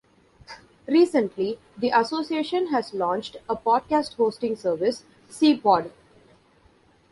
Recently the association has launched a podcast hosting service, C pod.